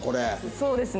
そうですね。